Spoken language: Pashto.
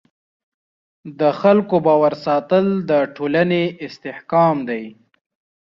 د خلکو باور ساتل د ټولنې استحکام دی.